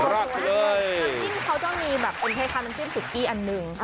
น้ำจิ้มเขาจะมีแบบเป็นคล้ายน้ำจิ้มสุกี้อันหนึ่ง